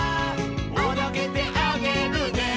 「おどけてあげるね」